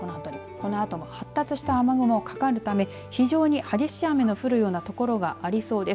このあとも発達した雨雲がかかるため非常に激しい雨の降るような所がありそうです。